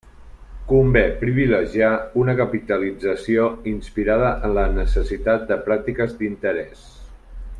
Convé privilegiar una capitalització inspirada en la necessitat de pràctiques d'interès.